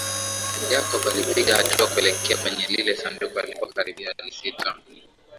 Jacob alipiga hatua kuelekea kwenye lile sanduku alipolikaribia alisita